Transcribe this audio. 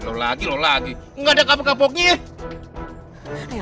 loh lagi loh lagi nggak ada kapok kapoknya ya